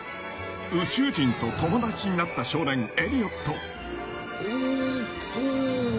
宇宙人と友達になった少年エリオット。